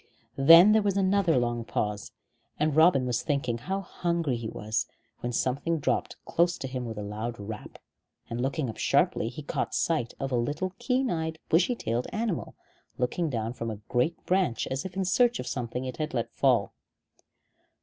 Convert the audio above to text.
Then there was another long pause, and Robin was thinking how hungry he was, when something dropped close to him with a loud rap, and looking up sharply, he caught sight of a little keen eyed bushy tailed animal, looking down from a great branch as if in search of something it had let fall.